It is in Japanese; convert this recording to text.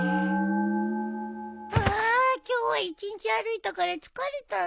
あ今日は一日歩いたから疲れたねえ。